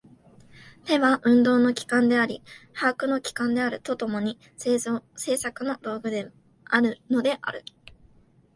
手は運動の機関であり把握の機関であると共に、製作の道具であるのである。